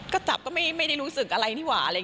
ก็จับก็ไม่ได้รู้สึกอะไรนี่หว่าอะไรอย่างนี้